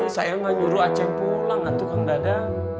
saya mah nyuruh aja pulang nanti kan gak ada